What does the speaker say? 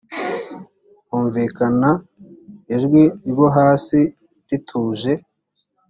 humvikana ijwi ryo hasi rituje